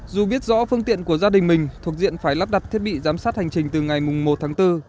dù biết rõ phương tiện của gia đình mình thuộc diện phải lắp đặt thiết bị giám sát hành trình từ ngày một tháng bốn